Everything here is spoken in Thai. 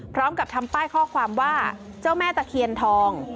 พร้อมกับทำป้ายข้อความว่าเจ้าแม่ตะเคียนทอง